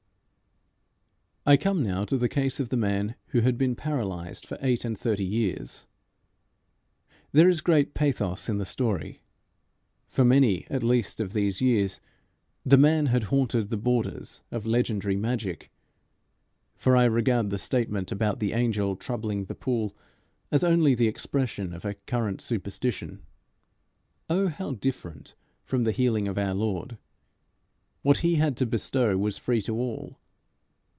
I come now to the case of the man who had been paralysed for eight and thirty years. There is great pathos in the story. For many, at least, of these years, the man had haunted the borders of legendary magic, for I regard the statement about the angel troubling the pool as only the expression of a current superstition. Oh, how different from the healing of our Lord! What he had to bestow was free to all.